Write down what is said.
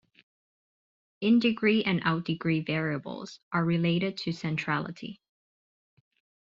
In-degree and out-degree variables are related to centrality.